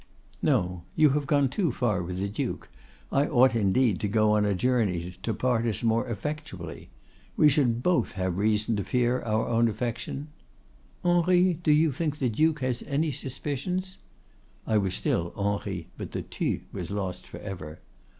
—'No, you have gone too far with the Duke. I ought indeed to go a journey to part us more effectually. We should both have reason to fear our own affection——'—'Henri, do you think the Duke has any suspicions?' I was still 'Henri,' but the tu was lost for ever.